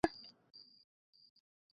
এখনো সবাই বের হয়নি।